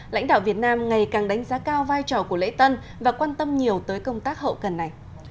lãnh đạo việt nam ngày càng đánh giá cao vai trò của lễ tân và quan tâm nhiều tới công tác hậu cần này